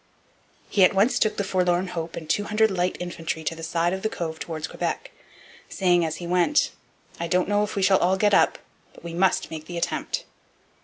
He at once took the 'Forlorn Hope' and 200 light infantry to the side of the Cove towards Quebec, saying as he went, 'I don't know if we shall all get up, but we must make the attempt.'